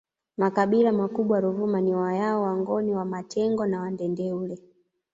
Makabila makubwa Ruvuma ni Wayao Wangoni Wamatengo na Wandendeule